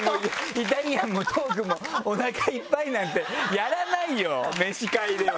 「イタリアンもトークもおなかいっぱい！」なんてやらないよメシ会では。